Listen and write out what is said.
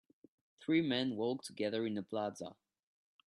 Three men walk together in a plaza